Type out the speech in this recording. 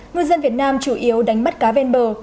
ngư dân việt nam chủ yếu đánh bắt cá ven bờ